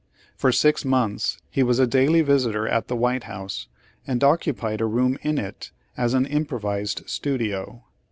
For six months he was a daily visitor at the White House and occupied a room in it as an improvised studio.